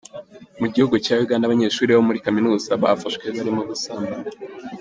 Mu gihugu cya Uganda abanyeshuri bo muri kaminuza bafashwe barimo gusambana .